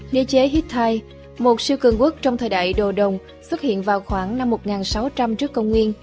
đế chế hittite một siêu cường quốc trong thời đại đồ đồng xuất hiện vào khoảng năm một nghìn sáu trăm linh trước công nguyên